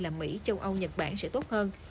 là mỹ châu âu nhật bản sẽ tốt hơn